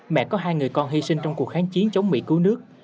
mẹ có hai người con hy sinh trong cuộc kháng chiến chống mỹ cứu nước